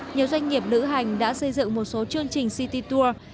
nhiều doanh nghiệp lữ hành đã xây dựng một số chương trình city tour